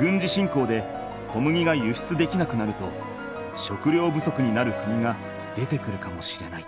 軍事侵攻で小麦が輸出できなくなると食料不足になる国が出てくるかもしれない。